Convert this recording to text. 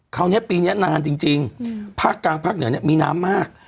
คราวนี้ปีนี้นานจริงภาคกลางภาคเหนือเนี่ยมีน้ำมาก